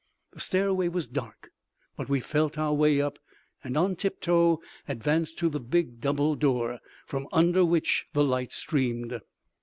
The stairway was dark, but we felt our way up and on tiptoe advanced to the big double door, from under which the light streamed.